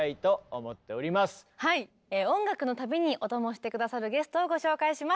音楽の旅にお供して下さるゲストをご紹介します！